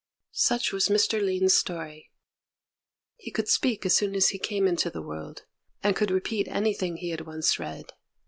Such was Mr. Lin's story. He could speak as soon as he came into the world; and could repeat anything he had once read.